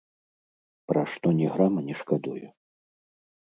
Пра што ні грама не шкадую.